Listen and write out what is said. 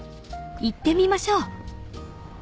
［行ってみましょう］